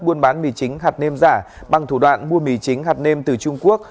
buôn bán mì chính hạt nêm giả bằng thủ đoạn mua mì chính hạt nêm từ trung quốc